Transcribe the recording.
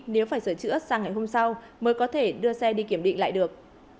nếu phải sửa chữa sang ngày hôm sau mới có thể đưa xe đi kiểm định lại được